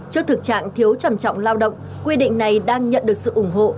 trước thực trạng thiếu trầm trọng lao động quy định này đang nhận được sự ủng hộ